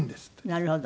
なるほど。